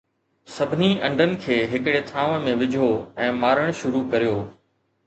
سڀني انڊن کي ھڪڙي ٿانو ۾ وجھو ۽ مارڻ شروع ڪريو